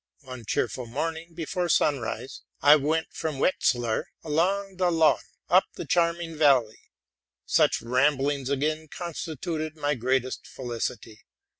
One bright morning before sunrise, I went from Wetzlar along the Lahn, up the charming valley: such ramblings again constituted my greatest felicity.